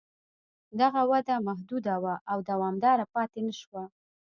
دغه وده محدوده وه او دوامداره پاتې نه شوه